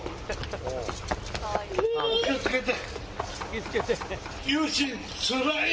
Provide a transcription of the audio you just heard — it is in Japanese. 気を付けて！